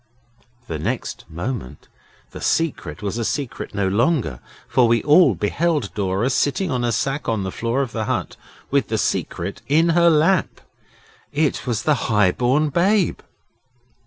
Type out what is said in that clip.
The next moment the Secret was a secret no longer, for we all beheld Dora, sitting on a sack on the floor of the hut, with the Secret in her lap. It was the High born Babe!